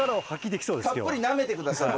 たっぷりなめてください